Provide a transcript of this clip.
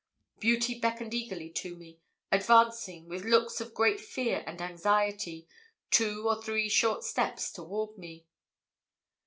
Beauty beckoned eagerly to me, advancing, with looks of great fear and anxiety, two or three short steps toward me.